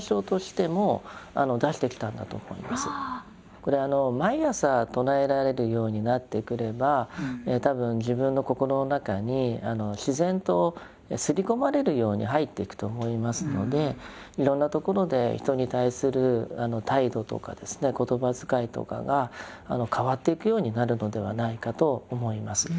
これ毎朝唱えられるようになってくれば多分自分の心の中に自然とすり込まれるように入っていくと思いますのでいろんなところで人に対する態度とか言葉遣いとかが変わっていくようになるのではないかと思います。